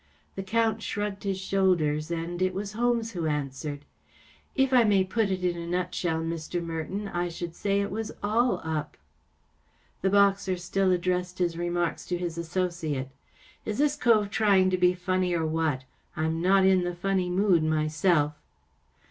The Count shrugged his shoulders and it was Holmes who answered. " If I may put it in a nutshell, Mr. Merton, I should say it was all up." The boxer still addressed his remarks to his associate. " Is this cove trying to be funny, or what ? I'm not in the funny mood myself."